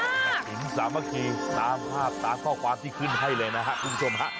กะถิ่นสามัคคีตามภาพตามข้อความที่ขึ้นให้เลยนะฮะคุณชมฮะ